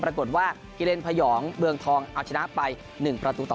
ปรากฏว่ากิเลนพยองเมืองทองเอาชนะไป๑ประตูต่อ